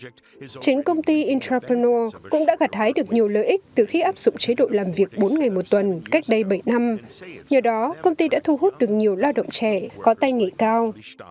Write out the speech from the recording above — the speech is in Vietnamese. chính công ty intrapenur cũng đã gặt hái được nhiều lợi ích từ khi áp dụng chế độ làm việc bốn ngày một tuần cách đây bảy năm nhờ đó công ty đã thu hút được nhiều lao động trẻ có tay nghề cao